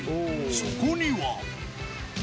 そこには。